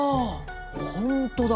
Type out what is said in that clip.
本当だ。